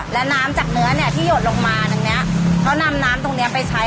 และน้ำจากเนื้อเนี่ยที่หยดลงมาตรงเนี้ยเขานำน้ำตรงเนี้ยไปใช้